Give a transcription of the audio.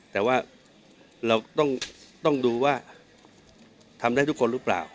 แต่ว่าเราต้องดูว่าทำได้ทุกคนหรือเปล่า